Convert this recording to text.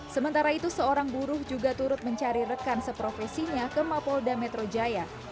sementara itu seorang buruh juga turut mencari rekan seprofesinya ke mapolda metro jaya